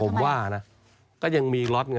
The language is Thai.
ผมว่านะก็ยังมีล็อตไง